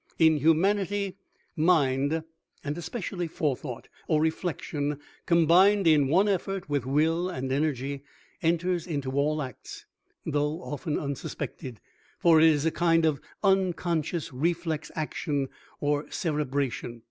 In Humanity, mind, and especially Forethought, or reflection, combined in one effort with will and energy, enters into all acts, though often unsuspected, for it is a kind of unconscious reflex action or cerebration.